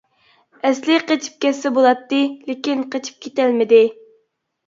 ئەسلى قېچىپ كەتسە بولاتتى، لېكىن قېچىپ كېتەلمىدى.